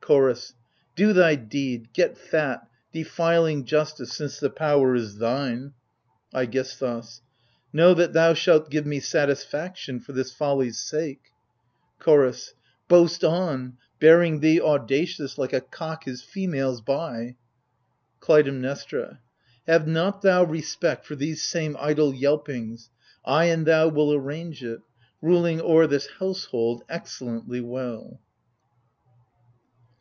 CHORDS. Do thy deed, get fat, defiling justice, since the power is thine ! AIGISTHOS. Know that thou shalt give me satisfaction for this folly's sake ! CHOROS. Boast on, bearing thee audacious, like a cock his females by! 148 AGAMEMNON. KLUTAIMNESTRA. Have not thou respect for these same idle yelpings ! I and thou Will arrange it, ruling o'er this household excellently well.